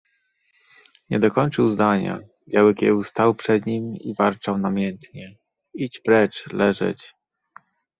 Nie dokończył zdania. Biały Kieł stał przed nim i warczał namiętnie. - Idź precz! Leżeć! -